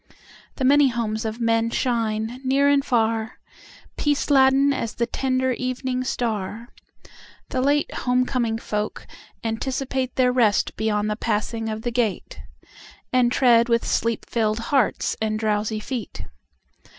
The many homes of men shine near and far, Peace laden as the tender evening star, The late home coming folk anticipateTheir rest beyond the passing of the gate, And tread with sleep filled hearts and drowsy feet.